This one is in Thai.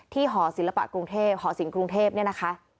หอศิลปะกรุงเทพหอศิลปกรุงเทพเนี่ยนะคะ